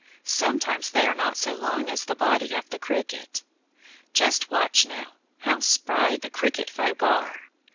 Sometimes they are not so long as the body of the cricket. Just watch now! How spry the cricket folk are!